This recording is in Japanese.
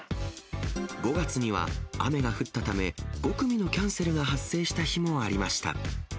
５月には、雨が降ったため、５組のキャンセルが発生した日もありました。